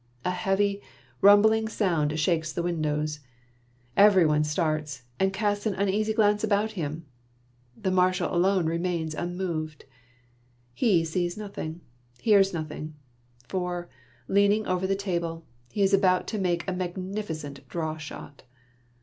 A heavy, rum bling sound shakes the windows. Every one starts and casts an uneasy glance about him. The Mar shal alone remains unmoved. He sees nothing, hears nothing, for, leaning over the table, he is about to make a magnificent draw shot.